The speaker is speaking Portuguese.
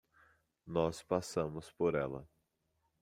Nós passamos por ela.